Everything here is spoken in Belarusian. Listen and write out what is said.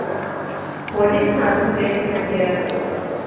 Ходзяць на адну клетку наперад.